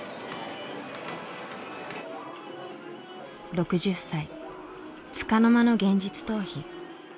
６０歳つかの間の現実逃避。